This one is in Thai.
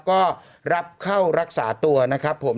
ก็รับเข้ารักษาตัวนะครับผม